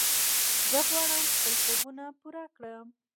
زه غواړم خپل خوبونه پوره کړم.